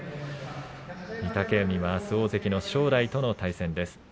御嶽海は大関の正代との対戦です。